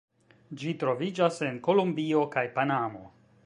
Ĝi troviĝas en Kolombio kaj Panamo.